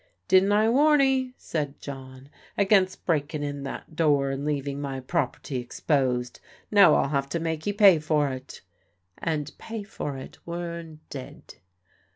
"Didn' I warn 'ee," said John, "against breaking in that door and leaving my property exposed. Now I'll have to make 'ee pay for it;" and pay for it Wearne did.